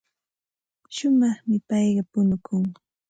Shumaqmi payqa punukun.